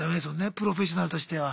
プロフェッショナルとしては。